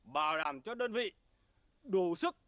bảo đảm cho đất vị đủ sức